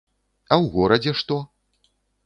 А ў горадзе што?